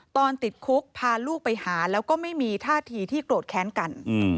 ตอนติดคุกพาลูกไปหาแล้วก็ไม่มีท่าทีที่โกรธแค้นกัน